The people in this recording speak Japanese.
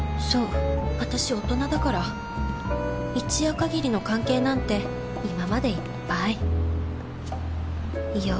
そう私大人だから。一夜限りの関係なんて今までいっぱい。